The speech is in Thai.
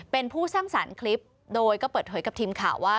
เป็นผู้สร้างสรรค์คลิปโดยก็เปิดเผยกับทีมข่าวว่า